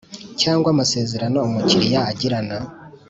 Cyangwa amasezerano umukiriya agirana